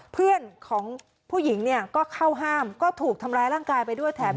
เพื่อนของผู้หญิงเนี่ยก็เข้าห้ามก็ถูกทำร้ายร่างกายไปด้วยแถม